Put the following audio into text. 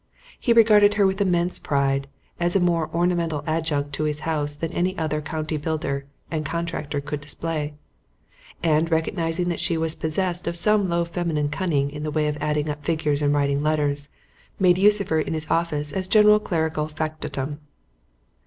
He regarded her with immense pride, as a more ornamental adjunct to his house than any other county builder and contractor could display, and, recognising that she was possessed of some low feminine cunning in the way of adding up figures and writing letters, made use of her in his office as general clerical factotum.